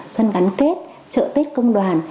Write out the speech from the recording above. xuân gắn kết trợ tết công đoàn